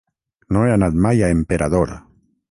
No he anat mai a Emperador.